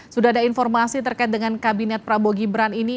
sudah ada informasi terkait dengan kabinet prabowo gibran ini